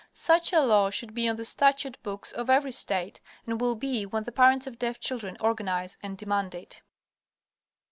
Such a law should be on the statute books of every state, and will be when the parents of deaf children organize and demand it.